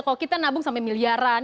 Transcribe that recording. kalau kita nabung sampai miliaran